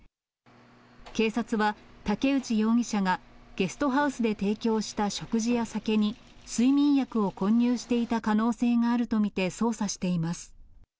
警察は、武内容疑者がゲストハウスで提供した食事や酒に睡眠薬を混入していた可能性があると見て捜査しています。